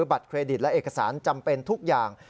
บัตรเครดิตและเอกสารจำเป็นทุกอย่าง